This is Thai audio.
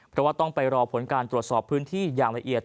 เพราะว่าต้องไปรอผลการตรวจสอบพื้นที่อย่างละเอียด